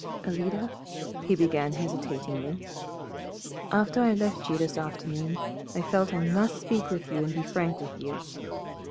"Alida," he began hesitatingly, "after I left you this noon I felt I must speak with and be frank with you."